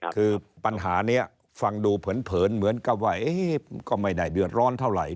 คือปัญหานี้ฟังดูเผินเหมือนกับว่าก็ไม่ได้เดือดร้อนเท่าไหร่